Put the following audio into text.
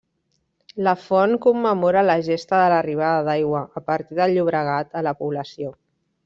La font commemora la gesta de l'arribada d'aigua, a partir del Llobregat, a la població.